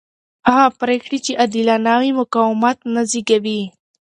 هغه پرېکړې چې عادلانه وي مقاومت نه زېږوي